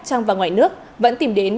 trăng vào ngoài nước vẫn tìm đến